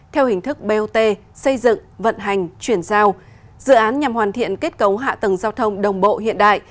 theo hình thức bot xây dựng vận hành chuyển giao dự án nhằm hoàn thiện kết cấu hạ tầng giao thông đồng bộ hiện đại